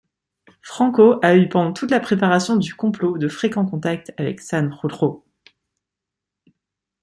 Franco a eu pendant toute la préparation du complot de fréquents contacts avec Sanjurjo.